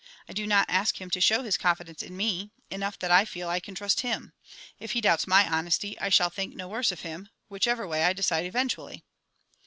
I do not ask him to show his confidence in me enough that I feel I can trust him. If he doubts my honesty, I shall think no worse of him; whichever way I decide eventually.